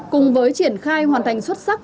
cùng với triển khai hoàn thành xuất sắc